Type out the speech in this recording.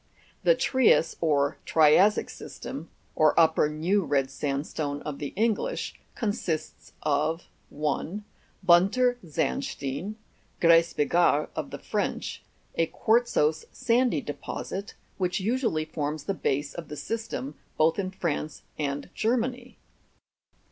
27. The TRIAS or TRIA'SSIC SYSTEM (or upper new red sand stone of the English) consists of: 1 . Bunter Sandstein, (gres bigarre of the French), a quartzose sandy deposit, which usually forms the base of the system, both in France and Germany.